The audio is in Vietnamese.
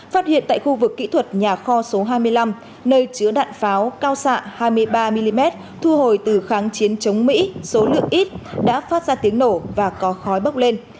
phát hiện tại khu vực kỹ thuật nhà kho số hai mươi năm nơi chứa đạn pháo cao xạ hai mươi ba mm thu hồi từ kháng chiến chống mỹ số lượng ít đã phát ra tiếng nổ và có khói bốc lên